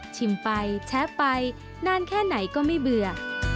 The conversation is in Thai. ชิมไปแชะไปนานแค่ไหนก็ไม่เบื่อ